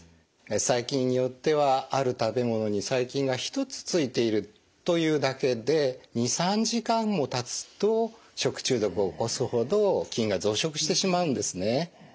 細菌によってはある食べ物に細菌が一つついているというだけで２３時間もたつと食中毒を起こすほど菌が増殖してしまうんですね。